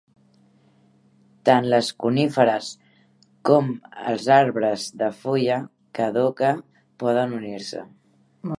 Tant les coníferes com els arbres de fulla caduca poden unir-se.